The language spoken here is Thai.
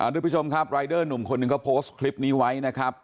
ทุกผู้ชมครับรายเดอร์หนุ่มคนหนึ่งเขาโพสต์คลิปนี้ไว้นะครับ